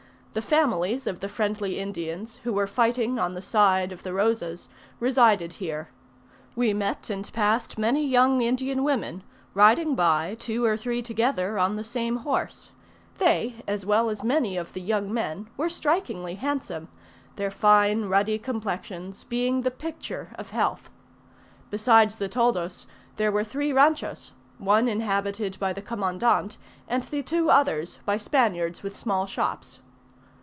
The families of the friendly Indians, who were fighting on the side of Rosas, resided here. We met and passed many young Indian women, riding by two or three together on the same horse: they, as well as many of the young men, were strikingly handsome, their fine ruddy complexions being the picture of health. Besides the toldos, there were three ranchos; one inhabited by the Commandant, and the two others by Spaniards with small shops.